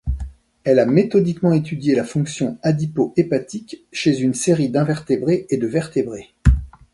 Elle a méthodiquement étudié la fonction adipo-hépatique chez une série d'invertébrés et de vertébrés.